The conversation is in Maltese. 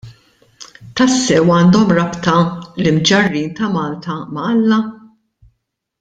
Tassew għandhom rabta l-Imġarrin ta' Malta ma' Alla?